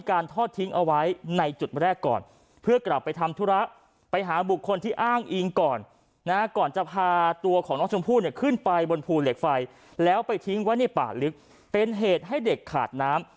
ขึ้นไปบนภูเล็กไฟแล้วไปทิ้งไว้ในป่าลึกเป็นเหตุให้เด็กขาดน้ำ